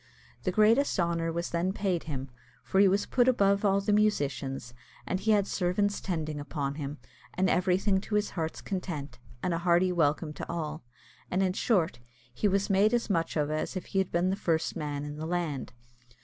The greatest honour was then paid him, for he was put above all the musicians, and he had servants tending upon him, and everything to his heart's content, and a hearty welcome to all; and, in short, he was made as much of as if he had been the first man in the land.